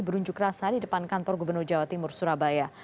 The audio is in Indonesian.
berunjuk rasa di depan kantor gubernur jawa timur surabaya